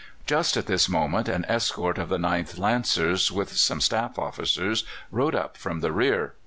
"Just at this moment an escort of the 9th Lancers, with some staff officers, rode up from the rear.